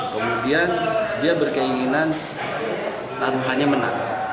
kemudian dia berkeinginan tanpa hanya menang